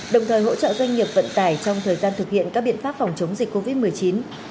đồng thời hỗ trợ doanh nghiệp vận tải trong thời gian thực hiện các biện pháp phòng chống dịch covid một mươi chín